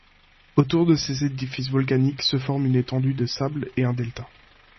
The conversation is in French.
Autour de ces édifices volcaniques se forme une étendue de sable et un delta.